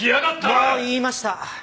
もう言いました。